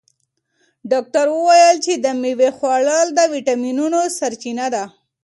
ډاکتر وویل چې د مېوې خوړل د ویټامینونو سرچینه ده.